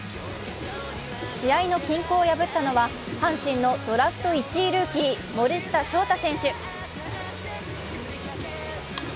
試合の均衡を破ったのは阪神のドラフト１位ルーキー森下翔太選手。